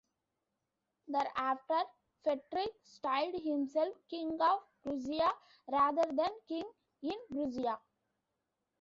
Thereafter Frederick styled himself "King "of" Prussia" rather than "King "in" Prussia.